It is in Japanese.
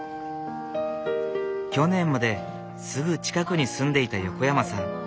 去年まですぐ近くに住んでいた横山さん。